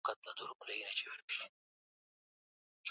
ethnogenesis ya watu wa Kituruki na hufanya hitimisho kadhaa